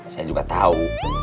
saya juga tahu